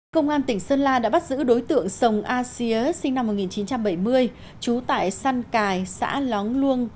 công an tỉnh sơn la đã bắt giữ đối tượng sồng a xía sinh năm một nghìn chín trăm bảy mươi trú tại săn cài xã lóng luông